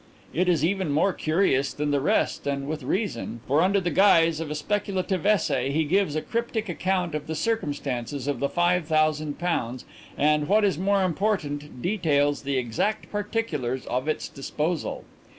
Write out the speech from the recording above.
It is even more curious than the rest and with reason, for under the guise of a speculative essay he gives a cryptic account of the circumstances of the five thousand pounds and, what is more important, details the exact particulars of its disposal.